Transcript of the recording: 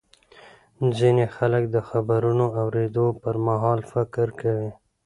ځینې خلک د خبرونو اورېدو پر مهال فکر کوي.